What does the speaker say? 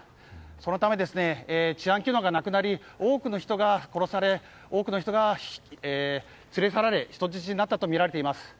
そのため、治安機能がなくなり多くの人が殺され多くの人が連れ去られ人質になったとみられています。